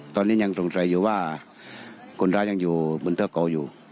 ตอนนี้ยังตรงใจอยู่ว่าคนร้ายังอยู่บริษัทเกาะอยู่